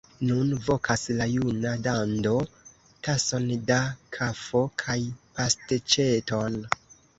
Nun vokas la juna dando: tason da kafo kaj pasteĉeton!